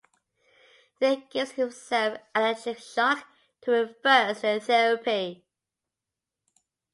He then gives himself an electric shock to reverse the therapy.